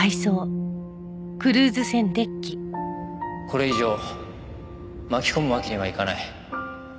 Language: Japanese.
これ以上巻き込むわけにはいかない。